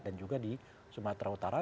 dan juga di sumatera utara